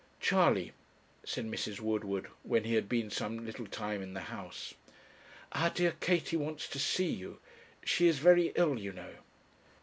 'Charley,' said Mrs. Woodward, when he had been some little time in the house, 'our dear Katie wants to see you; she is very ill, you know.'